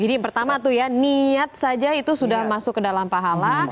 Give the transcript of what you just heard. jadi yang pertama itu ya niat saja itu sudah masuk ke dalam pahala